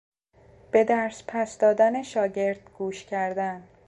به درس پس دادن شاگرد گوش کردن